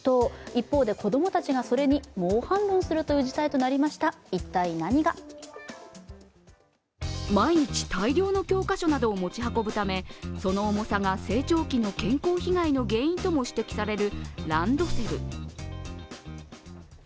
一方で子供たちがそれに猛反論する事態となりました毎日、大量の教科書などを持ち運ぶためその重さが成長期の健康被害の原因とも指摘されるランドセル。